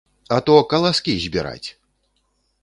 А то каласкі збіраць!